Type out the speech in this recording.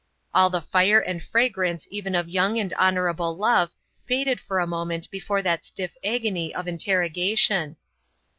All the fire and fragrance even of young and honourable love faded for a moment before that stiff agony of interrogation.